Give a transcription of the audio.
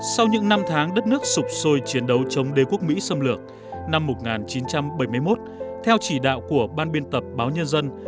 sau những năm tháng đất nước sụp sôi chiến đấu chống đế quốc mỹ xâm lược năm một nghìn chín trăm bảy mươi một theo chỉ đạo của ban biên tập báo nhân dân